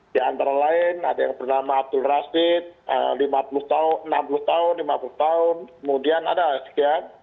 di antara lain ada yang bernama abdul rashid enam puluh tahun lima puluh tahun kemudian ada sekian